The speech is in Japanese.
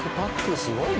すごいな。